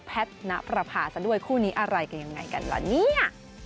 ณประพาซะด้วยคู่นี้อะไรกันยังไงกันล่ะเนี่ย